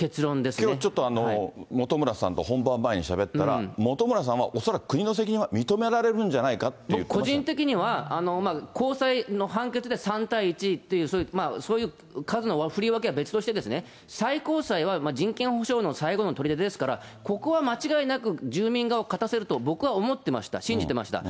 きょうはちょっと本村さんと本番前にしゃべったら、本村さんは恐らく国の責任は認められるんじゃないかと言ってまし僕、個人的には高裁の判決で３対１という、そういう数の振り分けは別として、最高裁は人権保障の最後のとりでですから、ここは間違いなく、住民側を勝たせると僕は思ってました、信じてました。